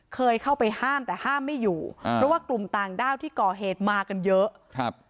เคยเข้าไปห้ามแต่ห้ามไม่อยู่อ่าเพราะว่ากลุ่มต่างด้าวที่ก่อเหตุมากันเยอะครับ